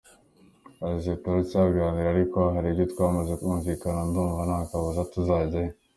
Yagize ati”Turacyaganira ariko hari ibyo twamaze kumvikana ndumva ntakabuza tuzajyayo,.